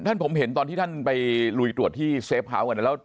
ท่านผมเห็นตอนที่ท่านไปลุยตรวจที่เซฟเฮาส์กันแล้ว